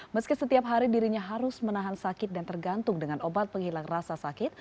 meski setiap hari dirinya harus menahan sakit dan tergantung dengan obat penghilang rasa sakit